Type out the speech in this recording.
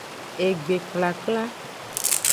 Egbekplakpla.